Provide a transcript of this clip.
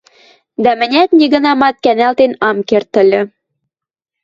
дӓ мӹнят нигынамат кӓнӓлтен ам керд ыльы.